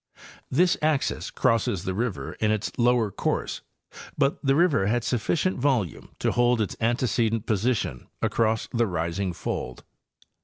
This axis crosses the river in its lower course, but the river had sufficient volume to hold its antecedent position across the rising fold.